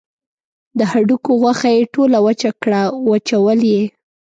د هډوکو غوښه یې ټوله وچه کړه وچول یې.